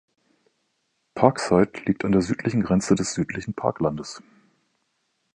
Parkside liegt an der südlichen Grenze des südlichen Parklandes.